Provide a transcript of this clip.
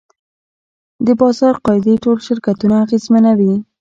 د بازار قاعدې ټول شرکتونه اغېزمنوي.